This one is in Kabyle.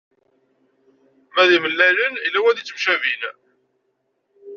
Ma d imalalen, yella wanida i temcabin.